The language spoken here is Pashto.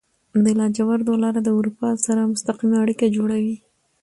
د لاجوردو لاره د اروپا سره مستقیمه اړیکه جوړوي.